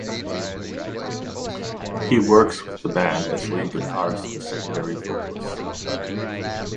He works with the band as lead guitarist and secondary vocalist.